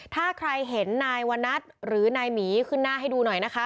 ถ้าใครเห็นนายวนัทหรือนายหมีขึ้นหน้าให้ดูหน่อยนะคะ